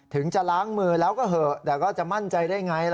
ถึงจะล้างมือแล้วก็เหอะแต่ก็จะมั่นใจได้ไง